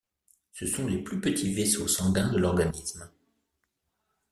Ce sont les plus petits vaisseaux sanguins de l'organisme.